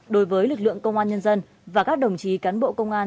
đối với lực lượng công an nhân dân và các đồng chí cán bộ công an